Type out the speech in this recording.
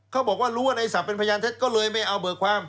เขาบอกว่ารู้ว่าในศัพทเป็นพยานเท็จก็เลยไม่เอาเบิกความ